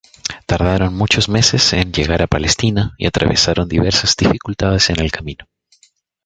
Tardaron muchos meses en llegar a Palestina y atravesaron diversas dificultades en el camino.